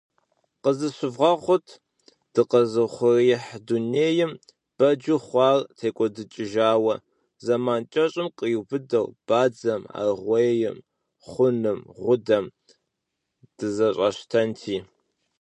Къызыщывгъэхъут дыкъэзыухъуреихь дунейм бэджу хъуар текIуэдыкIыжауэ. Зэман кIэщIым къриубыдэу бадзэм, аргъуейм, хъуным, гъудэм дызэщIащтэнти.